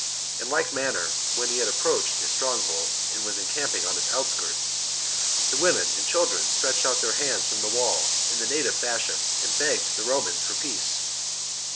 In like manner, when he had approached the stronghold and was encamping on its outskirts, the women and children stretched out their hands from the wall in the native fashion, and begged the Romans for peace.